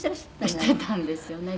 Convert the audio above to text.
「してたんですよね。